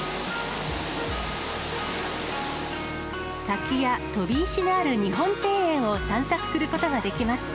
滝や飛び石のある日本庭園を散策することができます。